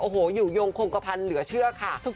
โอ้โหอยู่ยงคงกระพันธ์เหลือเชื่อค่ะ